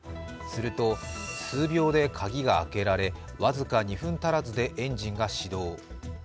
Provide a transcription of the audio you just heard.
すると数秒で鍵が開けられ、僅か２分足らずでエンジンが始動。